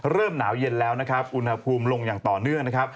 เริ่มหนาวเย็นแล้วอุณหภูมิลงอย่างต่อเนื่อง